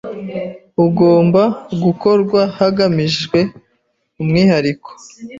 ugomba gukorwa hagamijwe umwihariko